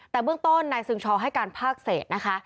แต่เบื้องต้นนายซึงชอให้การภาคเศษนะคะ